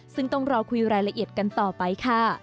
ซึ่งต้องรอคุยรายละเอียดกันต่อไปค่ะ